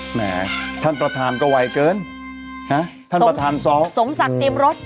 แหมท่านประธานก็ไวเกินฮะท่านประธานสองสมศักดิ์เตรียมรส